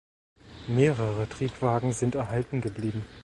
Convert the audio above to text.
Mehrere Triebwagen sind erhalten geblieben.